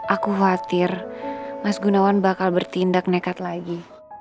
aku khawatir mas gunawan bakal bertindak nekat lagi